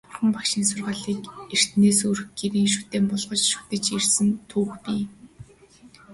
Бурхан Багшийн сургаалыг эртнээс өрх гэрийн шүтээн болгож шүтэж ирсэн түүх бий.